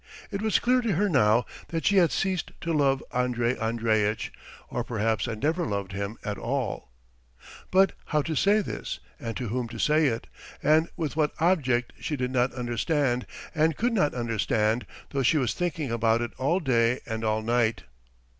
It was clear to her now that she had ceased to love Andrey Andreitch or perhaps had never loved him at all; but how to say this and to whom to say it and with what object she did not understand, and could not understand, though she was thinking about it all day and all night.